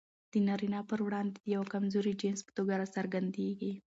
د نارينه پر وړاندې د يوه کمزوري جنس په توګه راڅرګندېږي.